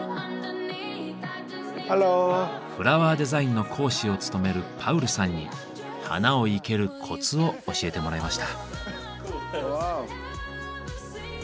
フラワーデザインの講師を務めるパウルさんに花を生けるコツを教えてもらいました。